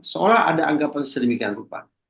seolah ada anggapan sedemikian rupa